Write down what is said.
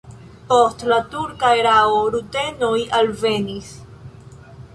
Post la turka erao rutenoj alvenis.